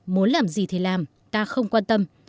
muốn làm gì thì làm ta không quan tâm